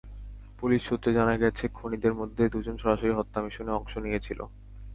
Police সূত্রে জানা গেছে, খুনিদের মধ্যে দুজন সরাসরি হত্যা মিশনে অংশ নিয়েছিল।